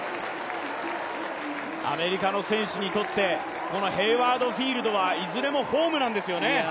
アメリカの選手にとって、このヘイワード・フィールドはいずれもホームなんですよね。